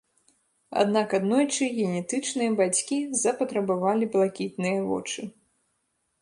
Аднак аднойчы генетычныя бацькі запатрабавалі блакітныя вочы.